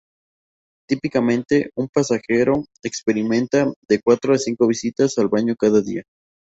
Típicamente, un pasajero experimenta de cuatro a cinco visitas al baño cada día.